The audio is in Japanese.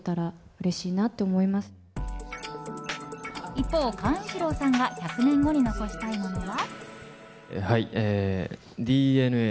一方、寛一郎さんが１００年後に残したいものは。